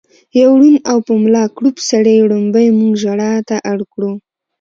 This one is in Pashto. يو ړوند او په ملا کړوپ سړي ړومبی مونږ ژړا ته اړ کړو